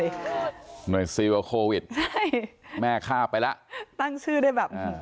เหมือนซิลกับโควิดแม่ฆ่าไปล่ะตั้งชื่อได้แบบ